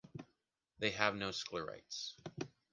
They have no sclerites.